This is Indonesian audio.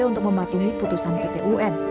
untuk mematuhi putusan pt un